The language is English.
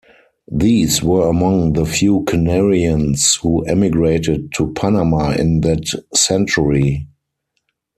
These were among the few Canarians who emigrated to Panama in that century.